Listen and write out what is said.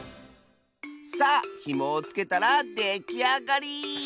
さあひもをつけたらできあがり！